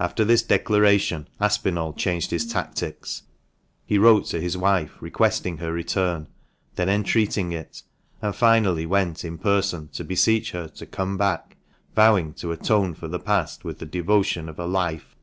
After this declaration, Aspinall changed his tactics. He wrote to his wife, requesting her return ; then entreating it ; and finally went in person to beseech her to " come back," vowing to "atone for the past with the devotion of a life."